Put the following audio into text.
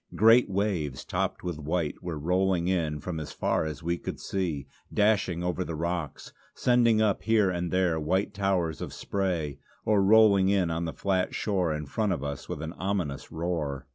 Great waves topped with white were rolling in from as far as we could see; dashing over the rocks, sending up here and there white towers of spray, or rolling in on the flat shore in front of us with an ominous roar.